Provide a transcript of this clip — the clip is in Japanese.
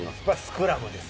スクラムです。